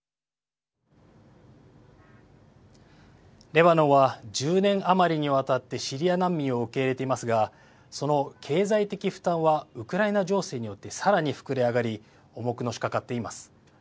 レバノンは１０年余りにわたってシリア難民を受け入れていますがその経済的負担はウクライナ情勢によってさらに膨れ上がり重くのしかかっています。